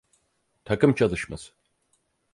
Takım çalışması.